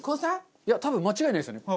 いや多分間違いないですよね。